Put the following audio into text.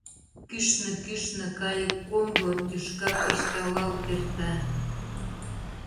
Кӱшнӧ-кӱшнӧ кайык комбо тӱшка кашталалт эрта.